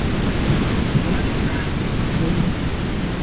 তা করে, কিন্তু তার পেছনে কোনো মোটিভ থাকে।